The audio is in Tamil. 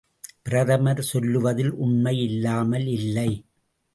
பிரதமர் சொல்லுவதில் உண்மை இல்லாமல் இல்லை!